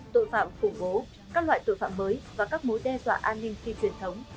tội phạm khủng bố các loại tội phạm mới và các mối đe dọa an ninh phi truyền thống